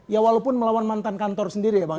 ya walaupun melawan mantan kantor sendiri ya bang